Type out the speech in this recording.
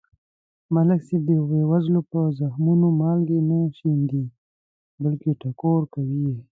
ملک صاحب د بې وزلو په زخمونو مالګې نه شیندي. بلکې ټکور کوي یې.